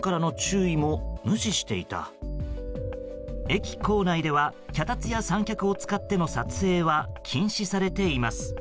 駅構内では脚立や三脚を使っての撮影は禁止されています。